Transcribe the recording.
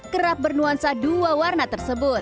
kerap bernuansa dua warna tersebut